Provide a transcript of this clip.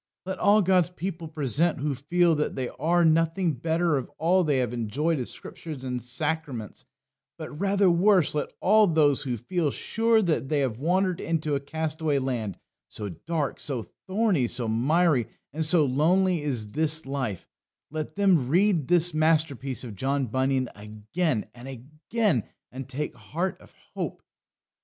Let all God's people present who feel that they are nothing better of all they have enjoyed of Scriptures and sacraments, but rather worse; let all those who feel sure that they have wandered into a castaway land, so dark, so thorny, so miry, and so lonely is their life let them read this masterpiece of John Bunyan again and again and take heart of hope.